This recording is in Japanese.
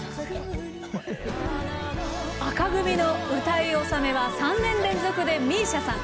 紅組の歌い納めは３年連続でＭＩＳＩＡさん。